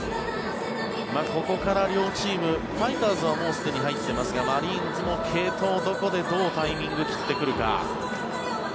ここから両チームファイターズはもうすでに入っていますがマリーンズも継投どこでどうタイミング、切ってくるか。